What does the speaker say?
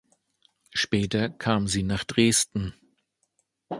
Später kam sie nach Dresden.